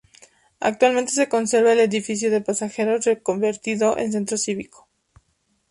Actualmente se conserva el edificio de pasajeros reconvertido en centro cívico.